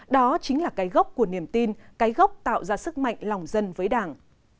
đó chính là cái gốc của niềm tin cái gốc tạo ra sức mạnh lòng dân với đảng